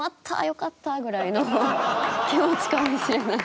よかった！ぐらいの気持ちかもしれない。